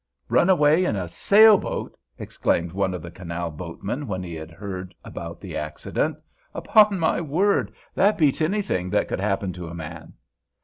"Runaway in a sailboat!" exclaimed one of the canal boatmen when he had heard about the accident. "Upon my word! That beats anything that could happen to a man!"